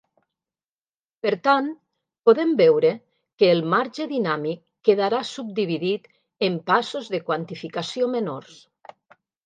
Per tant, podem veure que el marge dinàmic quedarà subdividit en passos de quantificació menors.